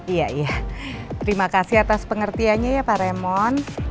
iya iya terima kasih atas pengertiannya ya pak remon